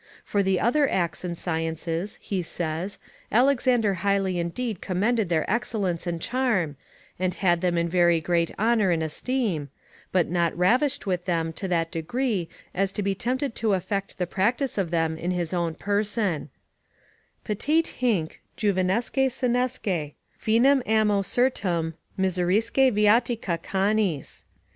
For the other acts and sciences, he says, Alexander highly indeed commended their excellence and charm, and had them in very great honour and esteem, but not ravished with them to that degree as to be tempted to affect the practice of them In his own person: "Petite hinc, juvenesque senesque, Finem ammo certum, miserisque viatica canis."